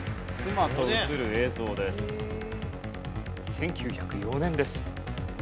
１９０４年です。